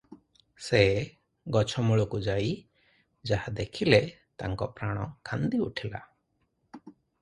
ସେ ଗଛମୂଳକୁ ଯାଇ ଯାହା ଦେଖିଲେ ତାଙ୍କ ପ୍ରାଣ କାନ୍ଦି ଉଠିଲା ।